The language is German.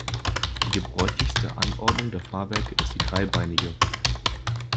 Die gebräuchlichste Anordnung der Fahrwerke ist die dreibeinige.